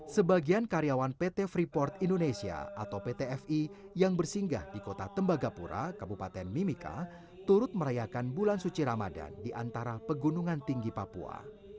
sebagian karyawan pt freeport indonesia atau pt fi yang bersinggah di kota tembagapura kabupaten mimika turut merayakan bulan suci ramadan di antara pegunungan tinggi papua